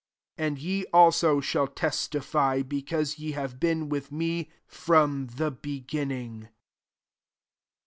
27 And ye also shall tn^ tify, because ye have been widi 9ie from the beginning.